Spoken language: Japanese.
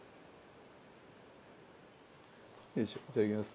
いただきます。